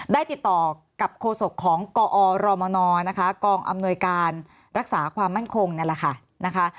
ได้ติดต่อกับโฆษกของกอรมนนะคะกองอำนวยการรักษาความมั่นคงนั่นแหละค่ะนะคะ